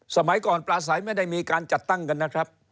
สมัยก่อนปลาใสไม่ได้มีการจัดตั้งกันนะครับ